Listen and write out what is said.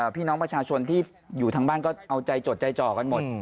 พี่น้องประชาชนที่อยู่ทางบ้านก็เอาใจจดใจจ่อกันหมด